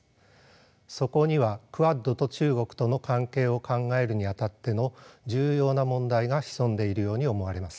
そこにはクアッドと中国との関係を考えるにあたっての重要な問題が潜んでいるように思われます。